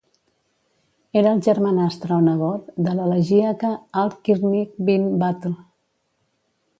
Era el germanastre o nebot de l'elegíaca Al-Khirniq bint Badr.